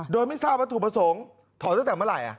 โดยไม่ทราบวัตถุประสงค์ถอนตั้งแต่เมื่อไหร่